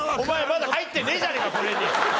まだ入ってねえじゃねえかこれに。